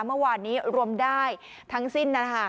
เมื่อวานนี้รวมได้ทั้งสิ้นนะคะ